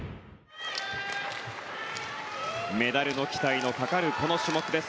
メダルの期待のかかるこの種目です。